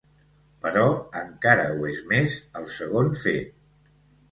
Però encara ho és més el segon fet.